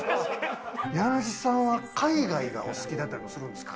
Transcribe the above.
家主さんは海外がお好きだったりするんですか？